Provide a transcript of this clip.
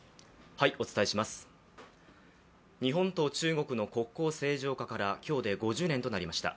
日本と中国の国交正常化から今日で５０年となりました。